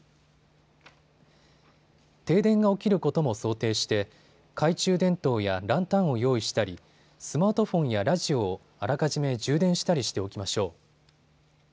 停電が起きることも想定して懐中電灯やランタンを用意したり、スマートフォンやラジオをあらかじめ充電したりしておきましょう。